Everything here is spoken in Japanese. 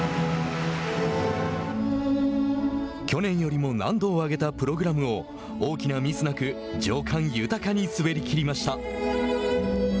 去年よりも難度を上げたプログラムを大きなミスなく情感豊かに滑りきりました。